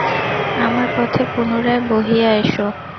আমার পথে পুনরায় বহিয়া এস।